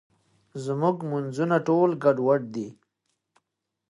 زموږ مونځونه ټول ګډوډ دي.